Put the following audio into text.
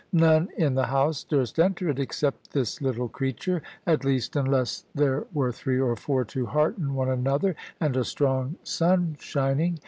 None in the house durst enter it except this little creature; at least unless there were three or four to hearten one another, and a strong sun shining.